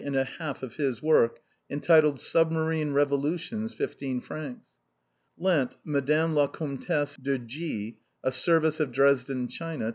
and a half of his work, en titled, " Submarine Revolutions. " 15 fr. " Lent Mme. la Comtesse de G a service of Dresden china.